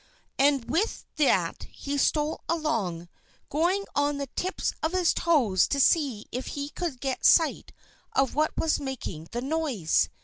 And with that he stole along, going on the tips of his toes, to see if he could get sight of what was making the noise.